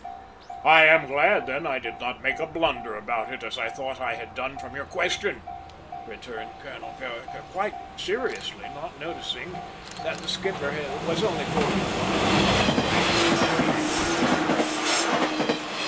"I am glad then, I did not make a blunder about it, as I thought I had done from your question," returned Colonel Vereker, quite seriously, not noticing that the skipper was only poking fun at him in his way and did not mean anything beyond a bit of chaff.